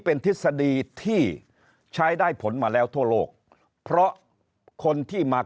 เป็นทฤษฎีที่ใช้ได้ผลมาแล้วทั่วโลกเพราะคนที่มา